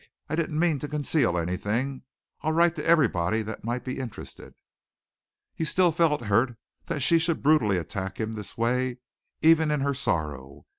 I didn't mean to conceal anything. I'll write to everybody that might be interested." He still felt hurt that she should brutally attack him this way even in her sorrow.